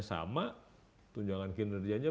sama tunjangan kinerjanya